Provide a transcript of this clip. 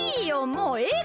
もうええ